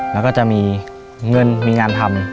แล้วก็จะมีเงินมีงานทำ